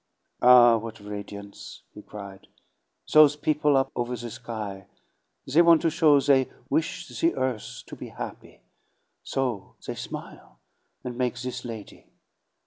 "Ah, what radiance!" he cried. "Those people up over the sky, they want to show they wish the earth to be happy, so they smile, and make this lady.